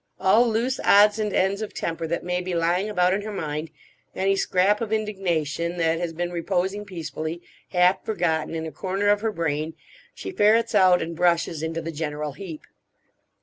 All loose odds and ends of temper that may be lying about in her mind—any scrap of indignation that has been reposing peacefully, half forgotten, in a corner of her brain, she ferrets out and brushes into the general heap.